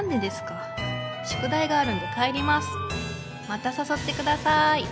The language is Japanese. またさそってください。